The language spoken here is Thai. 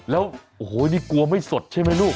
แล้วโอ้โหนี่กลัวไม่สดใช่ไหมลูก